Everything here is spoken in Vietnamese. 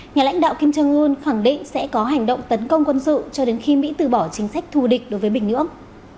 nhà lãnh đạo kim jong un khẳng định sẽ có hành động tấn công quân sự cho đến khi mỹ từ bỏ chính sách thù địch đối với bình nhưỡng